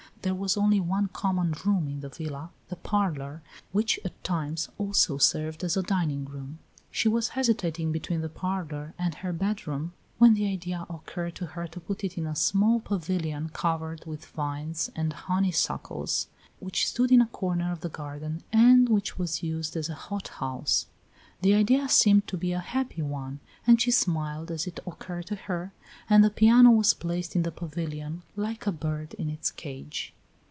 There was only one common room in the villa, the parlor, which at times also served as a dining room. She was hesitating between the parlor and her bedroom, when the idea occurred to her to put it in a small pavilion covered with vines and honeysuckles, which stood in a corner of the garden and which was used as a hot house. The idea seemed to be a happy one, and she smiled as it occurred to her, and the piano was placed in the pavilion, like a bird in its cage.